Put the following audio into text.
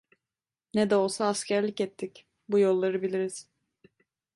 Ne de olsa askerlik ettik, bu yolları biliriz.